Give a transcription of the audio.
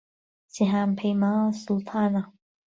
جیهان پهیما سوڵتانه